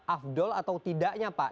afdol atau tidaknya pak